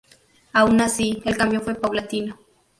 Aun así, el cambio fue paulatino.